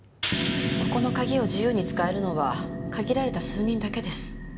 ここの鍵を自由に使えるのは限られた数人だけです。